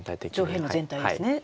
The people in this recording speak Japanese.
上辺の全体ですね。